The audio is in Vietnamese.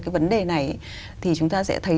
cái vấn đề này thì chúng ta sẽ thấy